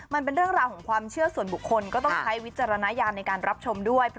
เวลาของความเชื่อส่วนบุคคลก็ต้องใช้วิจารณญาณในการรับชมด้วย